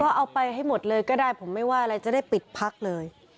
ก็เอาไปให้หมดเลยก็ได้ผมไม่ว่าอะไรจะได้ปิดพักเลย